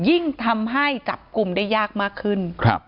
ยิ่งทำให้จับกลุ่มได้ยากมากขึ้น